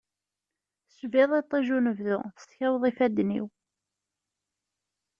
Tecbiḍ iṭij unebdu, teskaweḍ ifadden-iw.